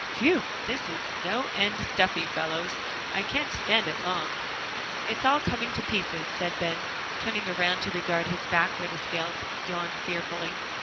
"Phew! this is no end stuffy, fellows. I can't stand it long." "I'm all coming to pieces," said Ben, turning around to regard his back where the scales yawned fearfully.